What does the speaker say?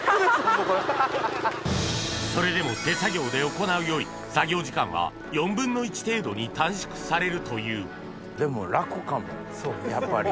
それでも手作業で行うより作業時間は１／４程度に短縮されるというかもやっぱり。